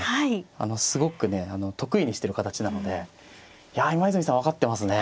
あのすごくね得意にしてる形なのでいや今泉さん分かってますね。